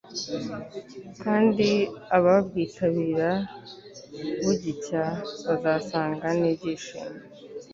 kandi ababwitabira bugicya, bazasagwa n'ibyishimo